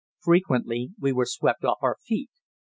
Frequently we were swept off our feet.